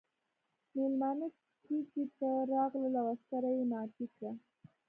ميلمانه کېږدۍ ته راغلل او عسکره يې معرفي کړه.